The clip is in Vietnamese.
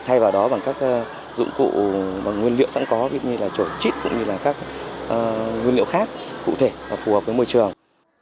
thay vào đó bằng các dụng cụ bằng nguyên liệu sẵn có như trổi chít cũng như các nguyên liệu khác cụ thể và phù hợp với môi trường